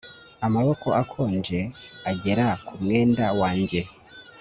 amaboko akonje agera ku mwenda wanjye